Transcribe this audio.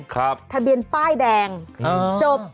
ทะเบียนป้ายแดงจบ